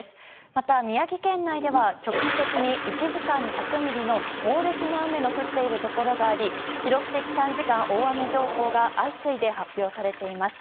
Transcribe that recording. また、宮城県内では局地的に１時間に１００ミリの猛烈な雨が降っているところがあり記録的短時間大雨情報が相次いで発表されています。